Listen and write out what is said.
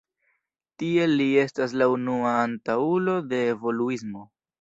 Tiel li estas la unua antaŭulo de evoluismo.